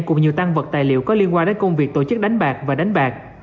cũng như tăng vật tài liệu có liên quan đến công việc tổ chức đánh bạc và đánh bạc